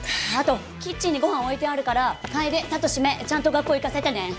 あとキッチンにごはん置いてあるから楓さとしめいちゃんと学校行かせてね。